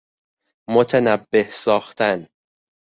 متنبه ساختن